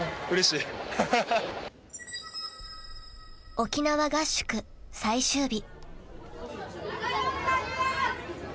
［沖縄合宿最終日］